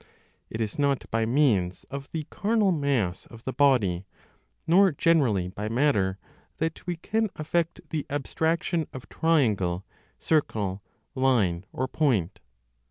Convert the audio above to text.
It is not by means of the carnal mass of the body, nor generally by matter, that we can effect the abstraction of triangle, circle, line or point.